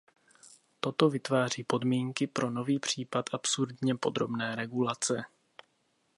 Toto vytváří podmínky pro nový případ absurdně podrobné regulace.